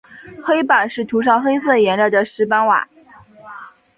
黑板是涂上黑色颜料的石板瓦。